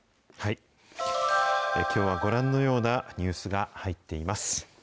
きょうはご覧のようなニュースが入っています。